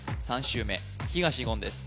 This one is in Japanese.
３周目東言です